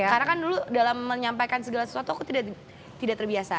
karena kan dulu dalam menyampaikan segala sesuatu aku tidak terbiasa